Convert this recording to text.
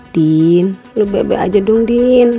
din lu bebek aja dong din